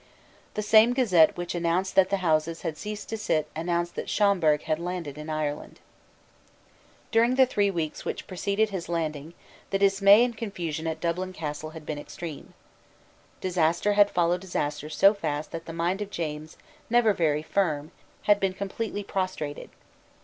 The same Gazette which announced that the Houses had ceased to sit announced that Schomberg had landed in Ireland, During the three weeks which preceded his landing, the dismay and confusion at Dublin Castle had been extreme. Disaster had followed disaster so fast that the mind of James, never very firm, had been completely prostrated.